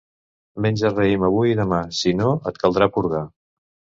Menja raïm avui i demà; si no, et caldrà purgar.